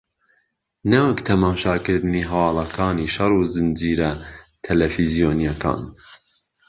نەوەک تەماشاکردنی هەواڵەکانی شەڕ و زنجیرە تەلەفزیۆنییەکان